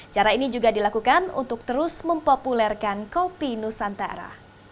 cara ini juga dilakukan untuk terus mempopulerkan kopi nusantara